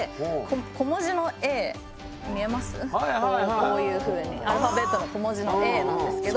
こういうふうにアルファベットの小文字の「ａ」なんですけど。